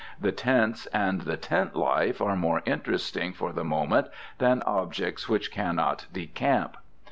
The tents and the tent life are more interesting for the moment than objects which cannot decamp.